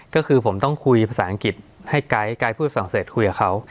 ก็คือผมต้องคุยภาษาอังกฤษให้ไกด์ไกด์พูดฝรั่งเศสคุยกับเขา